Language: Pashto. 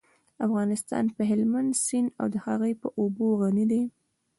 افغانستان په هلمند سیند او د هغې په اوبو غني دی.